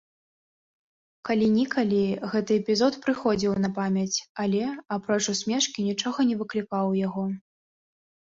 Калі-нікалі гэты эпізод прыходзіў на памяць, але, апроч усмешкі, нічога не выклікаў у яго.